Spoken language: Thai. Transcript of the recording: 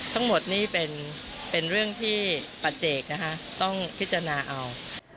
ทั้งหมดนี่เป็นเรื่องที่ปัจเจกนะคะต้องพิจารณาเอา